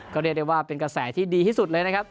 ก็เรียกได้ว่าเป็นกระแสที่ดีที่สุดเลยนะครับ